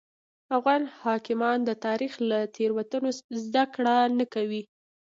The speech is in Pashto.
افغان حاکمان د تاریخ له تېروتنو زده کړه نه کوي.